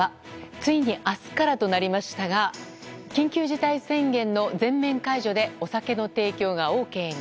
ついに明日からとなりましたが緊急事態宣言の全面解除でお酒の提供がＯＫに。